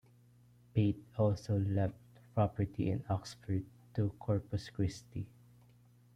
Pate also left property in Oxford to Corpus Christi.